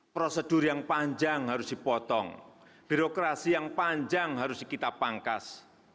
prosedur yang panjang harus dipotong birokrasi yang panjang harus kita pangkas